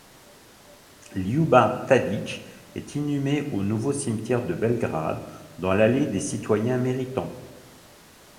Ljuba Tadić est inhumé au Nouveau cimetière de Belgrade dans l'allée des citoyens méritants.